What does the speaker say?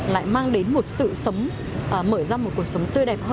lại mang đến một sự sống mở ra một cuộc sống tươi đẹp hơn